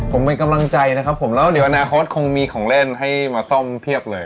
ผมเป็นกำลังใจนะครับผมแล้วเดี๋ยวอนาคตคงมีของเล่นให้มาซ่อมเพียบเลย